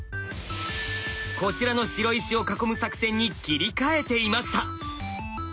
こちらの白石を囲む作戦に切り替えていました。